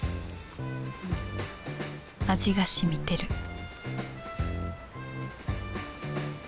味がしみてる